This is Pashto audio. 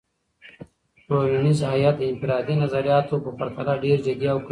ټولنیز هیت د انفرادي نظریاتو په پرتله ډیر جدي او قوي دی.